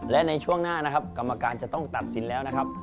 และในช่วงหน้านะครับกรรมการจะต้องตัดสินแล้วนะครับ